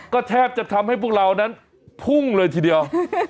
ก็แทบจะทำให้พวกเรานั้นพุ่งเลยทีเดียว